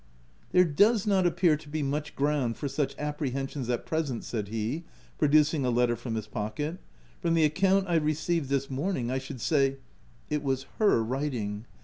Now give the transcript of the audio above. " There does not appear to be much ground for such apprehensions at present," said he, producing a letter from his pocket : u from the account I received this morning, 1 should say It was her writing